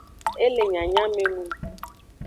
E le nyanyamenung.